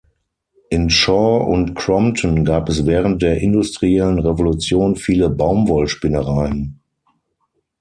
In Shaw and Crompton gab es während der industriellen Revolution viele Baumwollspinnereien.